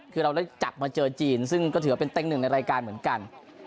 คือเราได้จับมาเจอจีนซึ่งก็ถือว่าเป็นเต็งหนึ่งในรายการเหมือนกัน